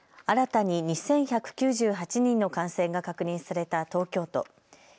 新たに２１９８人の感染が確認された東京都。